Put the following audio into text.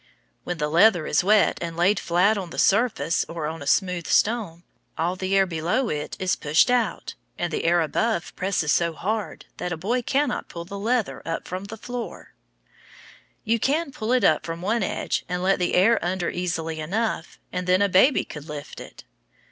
When the leather is wet and laid flat on the floor or on a smooth stone, all the air below it is pushed out, and the air above presses so hard that a boy cannot pull the leather up from the floor. You can peel it up from one edge and let the air under easily enough, and then a baby could lift it.